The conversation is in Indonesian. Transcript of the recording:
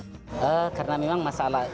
eee karena memang masalah